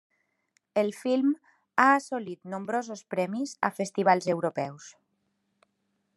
El film ha assolit nombrosos premis a festivals europeus.